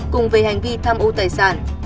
cùng về hành vi tham ô tài sản